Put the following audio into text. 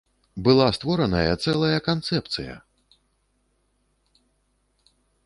Была створаная цэлая канцэпцыя!